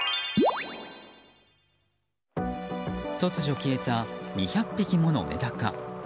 突如消えた２００匹ものメダカ。